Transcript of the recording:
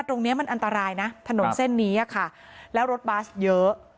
ตรงนี้มันอันตรายนะถนนเส้นนี้ค่ะแล้วรถบัสเยอะ